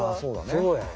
そうやよ。